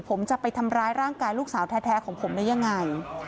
ผมจะไปทำร้ายร่างกายลูกสาวแท้ของผมได้ยังไง